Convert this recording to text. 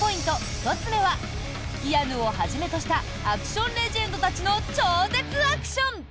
１つ目はキアヌをはじめとしたアクションレジェンドたちの超絶アクション。